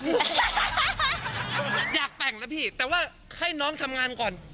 อยากแต่งนะพี่แต่ว่าให้น้องทำงานก่อน